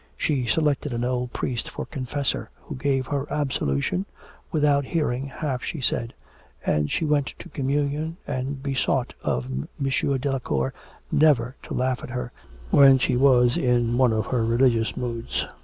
She selected an old priest for confessor, who gave her absolution without hearing half she said; and she went to communion and besought of M. Delacour never to laugh at her when she was in one of her religious moods.